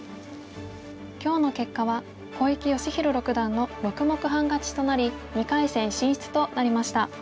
今日の結果は小池芳弘六段の６目半勝ちとなり２回戦進出となりました。